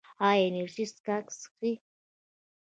ایا انرژي څښاک څښئ؟